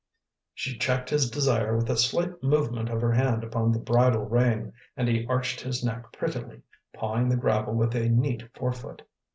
She checked his desire with a slight movement of her hand upon the bridle rein; and he arched his neck prettily, pawing the gravel with a neat forefoot.